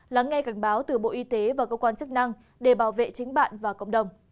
lắng nghe cảnh báo từ bộ y tế và cơ quan chức năng để bảo vệ chính bạn và cộng đồng